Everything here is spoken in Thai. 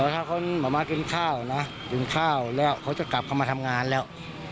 ถ้าคนมากินข้าวเขากลับมาทำงานแล้ว